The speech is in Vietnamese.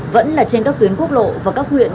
vẫn là trên các tuyến quốc lộ và các huyện